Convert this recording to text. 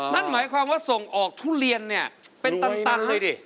นั่นหมายความว่าส่งออกทุเรียนเป็นตันตักเลยสิ